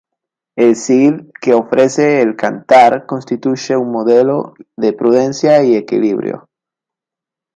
El Cid que ofrece el "Cantar" constituye un modelo de prudencia y equilibrio.